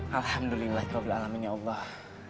alhamdulillah keberalaminya allah